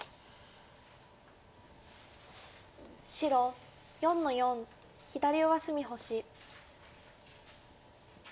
白４の四左上隅星。